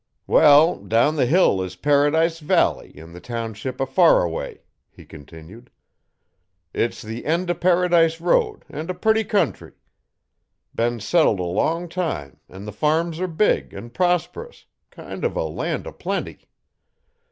'Well, down the hill is Paradise Valley in the township o' Faraway,' he continued. 'It's the end o' Paradise Road an' a purty country. Been settled a long time an' the farms are big an' prosperous kind uv a land o' plenty.